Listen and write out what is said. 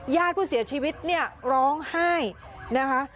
ญาติผู้เสียชีวิตเนี่ยร้องไห้นะคะ